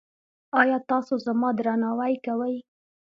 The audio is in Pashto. ایا تاسو زما درناوی کوئ؟